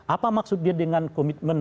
apa maksudnya dengan komitmen